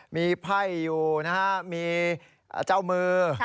มีไพ่อยู่นะฮะมีเจ้ามือ